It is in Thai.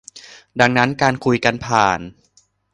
ดังนั้นการคุยกันผ่าน